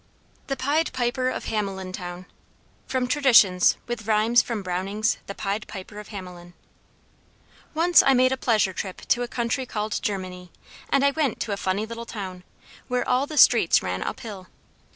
THE PIED PIPER OF HAMELIN TOWN [Footnote 1: From traditions, with rhymes from Browning's The Pied Piper of Hamelin.] Once I made a pleasure trip to a country called Germany; and I went to a funny little town, where all the streets ran uphill.